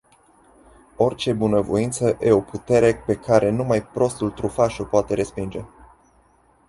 Orice bunavoință e o putere pe care numai prostul trufaș o poate respinge.